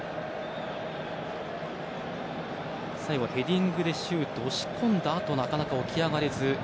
最後、ヘディングでシュートを押し込んだあとなかなか起き上がれず。